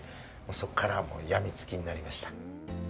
そこから病みつきになりました。